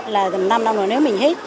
là tầm năm năm nữa nếu mình hết